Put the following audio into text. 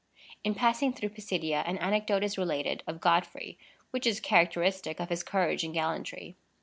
In passing through Pisidia, an anecdote is related of Godfrey which is characteristic of his courage and gallantry.